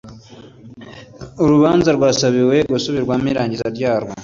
urubanza rwasabiwe gusubirwamo irangiza ryarwo